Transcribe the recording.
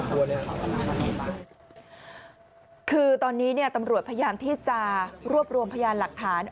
คือคือตอนนี้ตำรวจพยานที่จารวบรวมพยานหลักฐาน